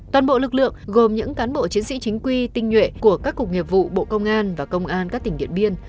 toàn bộ lực lượng gồm những cán bộ chiến sĩ chính quy tinh nhuệ của các cục nghiệp vụ bộ công an và công an các tỉnh điện biên